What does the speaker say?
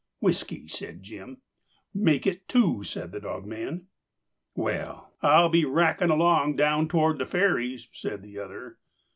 "Whiskey," said Jim. "Make it two," said the dogman. "Well, I'll be racking along down toward the ferry," said the other.